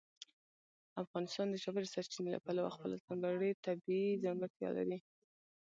افغانستان د ژورې سرچینې له پلوه خپله ځانګړې طبیعي ځانګړتیا لري.